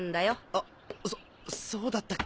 あっそうだったっけ。